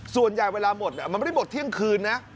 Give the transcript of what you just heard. แต่เวลาหมดมันไม่ได้หมดเที่ยงคืนนะ